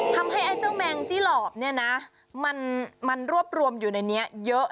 ทำให้เจ้าแมงจี้หลบมันรวบรวมอยู่ในนี้เยอะ